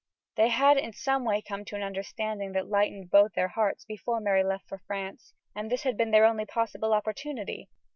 They had in some way come to an understanding that lightened both their hearts before Mary left for France, and this had been their only possible opportunity.